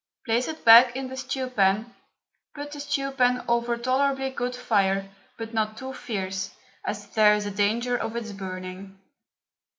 Place it back in the stew pan, put the stew pan over a tolerably good fire, but not too fierce, as there is a danger of its burning.